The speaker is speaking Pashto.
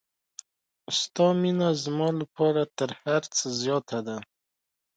ستا مینه زما لپاره تر هر څه زیاته ده.